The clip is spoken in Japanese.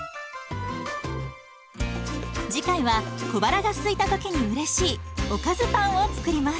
次回は小腹がすいた時にうれしいおかずパンを作ります。